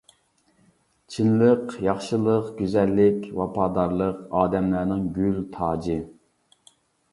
چىنلىق، ياخشىلىق، گۈزەللىك، ۋاپادارلىق ئادەملەرنىڭ گۈل تاجى!